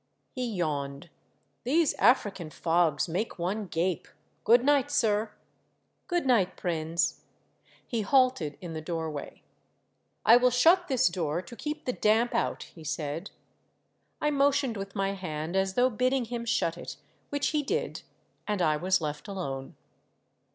He yawned. " These African fogs make one gape. Good night, sir." '' Good niorht, Prins." He halted in the doorway. " I will shut this door to keep the damp out," he said. I motioned with my hand as though bidding him shut it, which he did, and I was left alone.